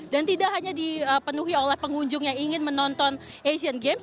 dan tidak hanya dipenuhi oleh pengunjung yang ingin menonton asian games